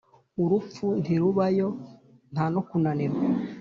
urupfu ntirubayo, nta no kunanirwa,